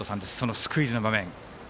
スクイズの場面。